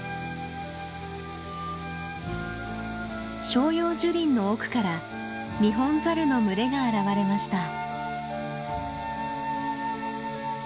照葉樹林の奥からニホンザルの群れが現れました。